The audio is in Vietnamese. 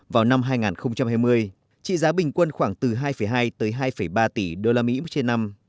vào năm hai nghìn hai mươi trị giá bình quân khoảng từ hai hai tới hai ba tỷ usd trên năm